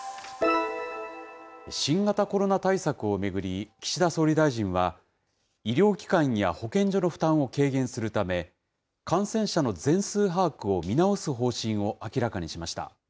新型コロナ対策を巡り、岸田総理大臣は医療機関や保健所の負担を軽減するため、感染者の全数把握を見直す方針を明らかにしました。